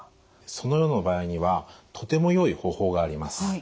そのような場合にはとてもよい方法があります。